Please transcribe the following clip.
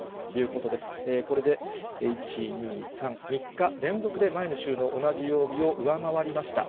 これで１、２、３、３日連続で前の週の同じ曜日を上回りました。